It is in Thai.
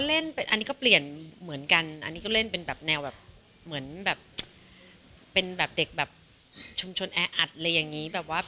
อันนี้ก็เปลี่ยนเหมือนกันเล่นแบบแซมไหวไวฟ์